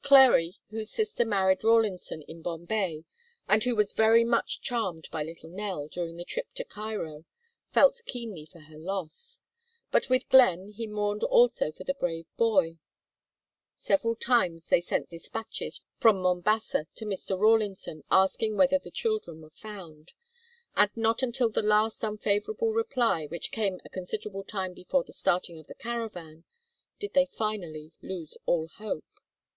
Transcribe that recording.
Clary, whose sister married Rawlinson in Bombay and who was very much charmed by little Nell during the trip to Cairo, felt keenly her loss. But with Glenn, he mourned also for the brave boy. Several times they sent despatches from Mombasa to Mr. Rawlinson asking whether the children were found, and not until the last unfavorable reply, which came a considerable time before the starting of the caravan, did they finally lose all hope.